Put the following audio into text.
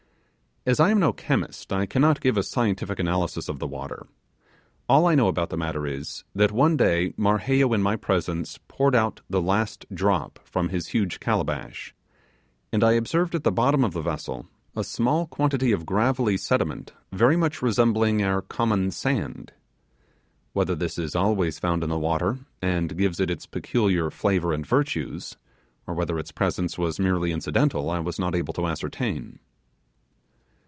As I am no chemist, I cannot give a scientific analysis of the water. All I know about the matter is, that one day Marheyo in my presence poured out the last drop from his huge calabash, and I observed at the bottom of the vessel a small quantity of gravelly sediment very much resembling our common sand. Whether this is always found in the water, and gives it its peculiar flavour and virtues, or whether its presence was merely incidental, I was not able to ascertain.